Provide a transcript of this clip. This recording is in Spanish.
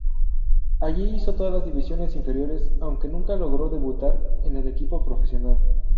Allí hizo todas las divisiones inferiores aunque nunca logró debutar en el equipo Profesional.